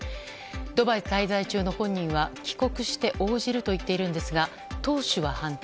ドバイ滞在中の本人は帰国して応じると言っているんですが党首は反対。